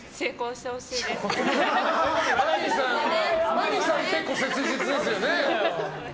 まみさん、結構切実ですよね。